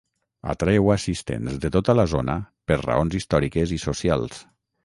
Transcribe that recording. Atreu assistents de tota la zona per raons històriques i socials.